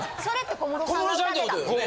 小室さんってことよね。